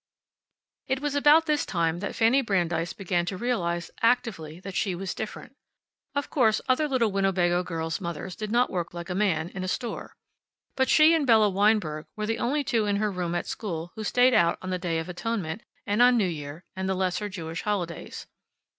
It was about this time that Fanny Brandeis began to realize, actively, that she was different. Of course, other little Winnebago girls' mothers did not work like a man, in a store. And she and Bella Weinberg were the only two in her room at school who stayed out on the Day of Atonement, and on New Year, and the lesser Jewish holidays.